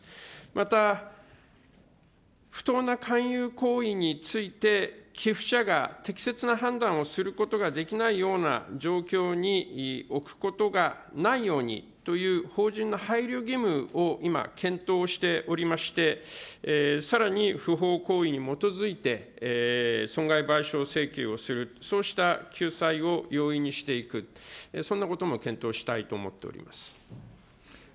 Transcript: また不当な勧誘行為について、寄付者が適切な判断をすることができないような状況に置くことがないようにという、ほうじゅんな配慮義務を今、検討しておりまして、さらに不法行為に基づいて、損害賠償請求をする、そうした救済を容易にしていく、そんなことも検討したいと思っております。